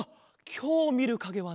きょうみるかげはな